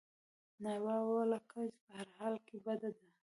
ناروا ولکه په هر حال کې بده ده.